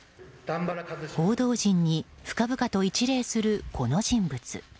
報道陣に深々と一礼するこの人物。